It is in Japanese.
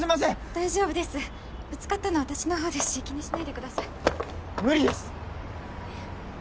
大丈夫ですぶつかったのは私の方ですし気にしないでください無理ですえっ？